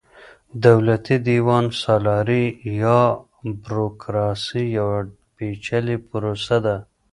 دولتي دېوان سالاري يا بروکراسي يوه پېچلې پروسه ده.